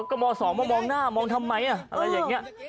ม๔เขาบอกว่าก็ม๒มองหน้ามองทำไมอะไรอย่างนี้